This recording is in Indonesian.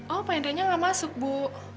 oh pak hendrenya gak masuk bu